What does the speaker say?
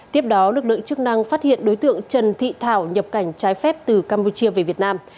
tiếp đó lực lượng chức năng phát hiện đối tượng trần thị thảo nhập cảnh trái phép từ campuchia về việt nam